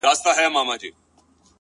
ځمه و لو صحراته ـ